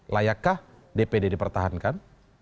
layakkah dpd dipertahankan